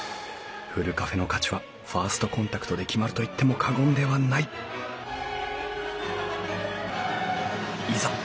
ふるカフェの価値はファーストコンタクトで決まると言っても過言ではないいざ